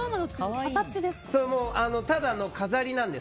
ただの飾りなんです。